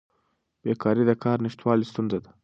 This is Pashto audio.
بیکاري د کار نشتوالي ستونزه ده.